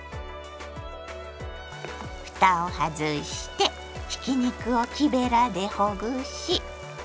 ふたを外してひき肉を木べらでほぐし